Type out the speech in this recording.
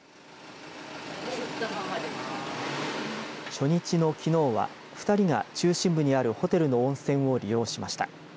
初日のきのうは２人が中心部にあるホテルの温泉を利用しました。